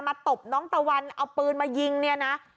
ตบน้องตะวันเอาปืนมายิงเนี่ยนะ